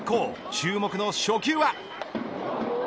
注目の初球は。